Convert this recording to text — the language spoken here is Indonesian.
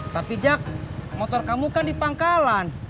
tapi jak motor kamu kan di pangkalan